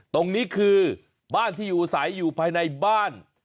ตรงนี้คือบ้านที่อยู่อาศัยอยู่ภายในบ้าน